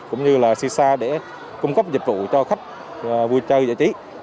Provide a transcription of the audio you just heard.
cũng như là si sa để cung cấp dịch vụ cho khách vui chơi giải trí